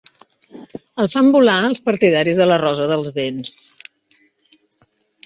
El fan volar els partidaris de la rosa dels vents.